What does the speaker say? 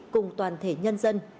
cùng toàn thể nhân dân